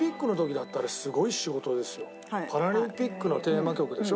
パラリンピックのテーマ曲でしょ